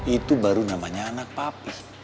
itu baru namanya anak papa